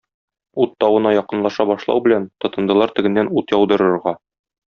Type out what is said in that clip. Ут тавына якынлаша башлау белән, тотындылар тегеннән ут яудырырга...